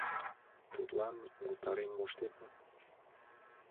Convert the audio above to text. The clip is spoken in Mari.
Тудлан умылтарен моштет мо?